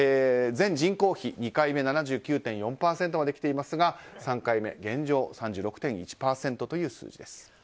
全人口比、２回目７９．４％まできていますが３回目現状３６．１％という数字。